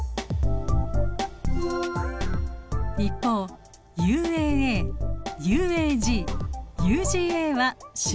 一方ＵＡＡＵＡＧＵＧＡは終止コドン。